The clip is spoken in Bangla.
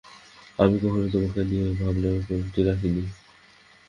আমি কখনোই তোমাকে নিয়ে ভাবনার কমতি রাখিনি।